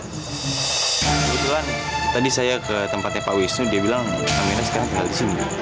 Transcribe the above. kebetulan tadi saya ke tempatnya pak wisnu dia bilang ameranya sekarang tidak disini